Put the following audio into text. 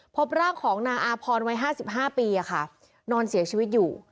พบร่างของนางอาพรวัยห้าสิบห้าปีอ่ะค่ะนอนเสียชีวิตอยู่